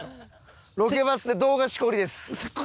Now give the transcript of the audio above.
ロケバスで動画シコりです。